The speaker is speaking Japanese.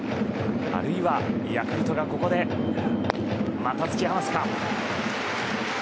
あるいはヤクルトがここでまた突き放すか。